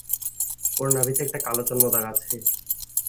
ওর নাভিতে একটি কালো জন্মদাগ আছে?